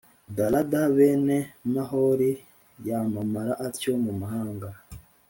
Darada bene Maholi yamamara atyo mu mahanga